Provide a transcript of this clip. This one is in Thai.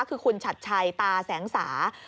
คือคุณชัดชัยตาแสงสา